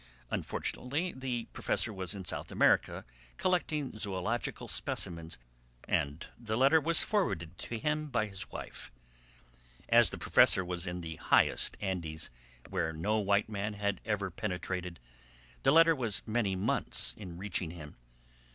Unfortunately the Professor was in South America collecting zoological specimens, and the letter was forwarded to him by his wife. As the Professor was in the highest Andes, where no white man had ever penetrated, the letter was many months in reaching him.